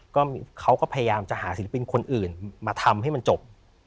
ก็เขาก็พยายามจะหาศิลปินคนอื่นมาทำให้มันจบ